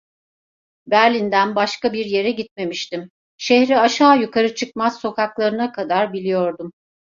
Berlin'den başka bir yere gitmemiştim, şehri aşağı yukarı çıkmaz sokaklarına kadar biliyordum.